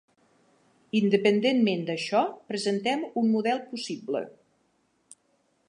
Independentment d'això, presentem un model possible.